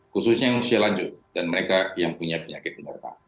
khususnya yang usia lanjut dan mereka yang punya penyakit penyerta